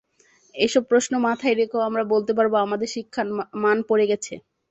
এসব প্রশ্ন মাথায় রেখেও আমরা বলতে পারব, আমাদের শিক্ষার মান পড়ে গেছে।